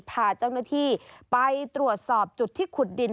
พาเจ้าหน้าที่ไปตรวจสอบจุดที่ขุดดิน